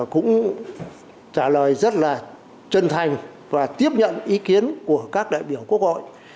cũng trả lời rất là chân thành và tiếp nhận ý kiến của các đại biểu quốc hội